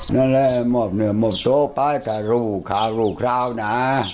นั่นแหละมอบเนื้อหมดตัวไปแต่ลูกค่ะลูกคราวนะ